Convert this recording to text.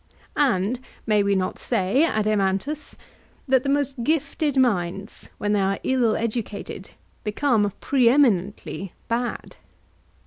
And may we not say, Adeimantus, that the most gifted minds, when they are ill educated, become pre eminently bad?